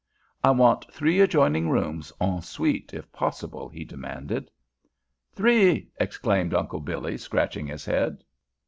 "I want three adjoining rooms, en suite if possible," he demanded. "Three!" exclaimed Uncle Billy, scratching his head.